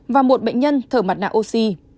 và một bệnh nhân thở mặt nạ oxy